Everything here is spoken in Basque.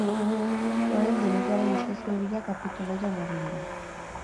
Orain delituaren ustezko egileak aurkitu nahian ari dira.